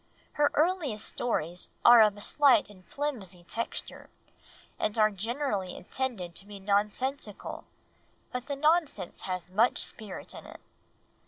Her earliest stories are of a slight and flimsy texture, and are generally intended to be nonsensical, but the nonsense has much spirit in it."